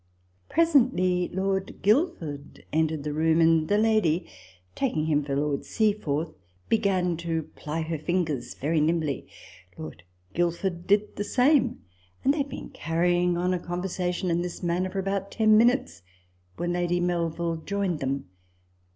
Presently Lord Guilford entered the room ; and the lady, taking him for Lord Seaforth, began to ply her fingers very nimbly ; Lord Guilford did the same ; and they had been carrying on a conversation TABLE TALK OF SAMUEL ROGERS 175 in this manner for about ten minutes, when Lady Melville joined them.